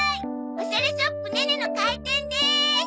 おしゃれショップネネの開店です！